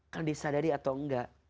kan disadari atau enggak